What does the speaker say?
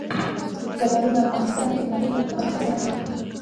زردالو د افغانستان د تکنالوژۍ له پرمختګ سره تړاو لري.